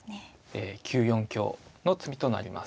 え９四香の詰みとなります。